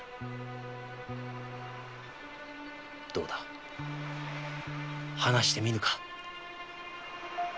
どうだ話してみぬか？